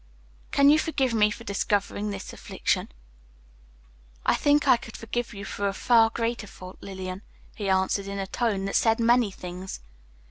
"Can you forgive me for discovering this affliction?" "I think I could forgive you a far greater fault, Lillian," he answered, in a tone that said many things.